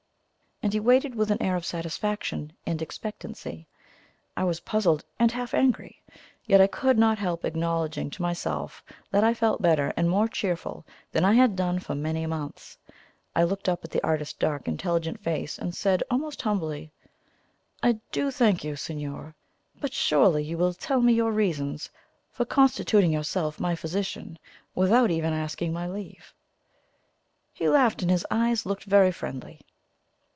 And he waited with an air of satisfaction and expectancy. I was puzzled and half angry, yet I could not help acknowledging to myself that I felt better and more cheerful than I had done for many months. I looked up at the artist's dark, intelligent face, and said almost humbly: "I DO thank you, signor. But surely you will tell me your reasons for constituting yourself my physician without even asking my leave." He laughed, and his eyes looked very friendly.